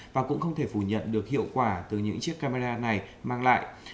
và cũng không thể phủ nhận được hiệu quả từ những chiếc camera này mang lại